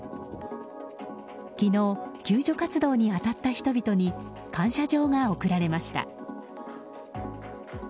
昨日、救助活動に当たった人々に感謝状が贈られました。